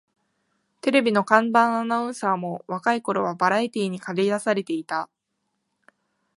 テレビの看板アナウンサーも若い頃はバラエティーにかり出されていた